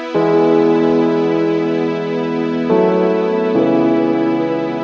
karena kain bisurek ini kalau kita menemukan motif yang sama itu bukan tantangan